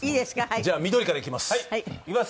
じゃあ緑からいきます。